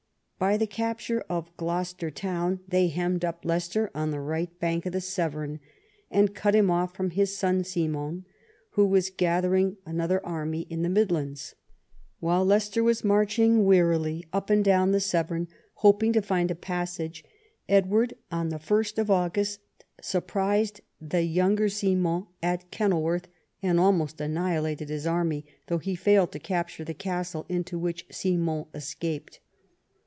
By the capture of Gloucester town, they hemmed up Leicester on the right bank of the Severn, and cut him off from his son Simon, who was collecting another army in the Midlands. While Leicester was marching wearily up and down the Severn, hoping to find a passage, Edward on 1st August surprised the younger Simon at Kenilworth, and almost annihilated his army, though he failed to capture the castle, into which Simon escaped.